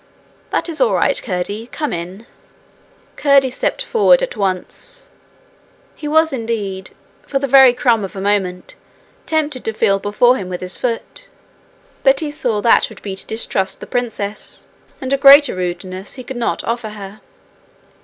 'That is all right, Curdie. Come in.' Curdie stepped forward at once. He was indeed, for the very crumb of a moment, tempted to feel before him with his foot; but he saw that would be to distrust the princess, and a greater rudeness he could not offer her.